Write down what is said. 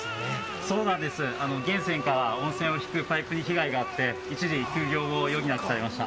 そうなんです、源泉から温泉に引くパイプに被害があって一時休業を余儀なくされました。